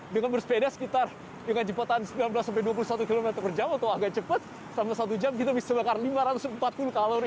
dengan bersepeda sekitar dengan jembatan sembilan belas sampai dua puluh satu km per jam atau agak cepat selama satu jam kita bisa bakar lima ratus empat puluh kalori